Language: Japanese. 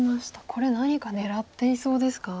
これ何か狙っていそうですか？